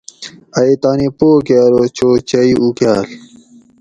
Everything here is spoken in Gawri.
ائی تانی پو کہ ارو چو چئی اُکاۤل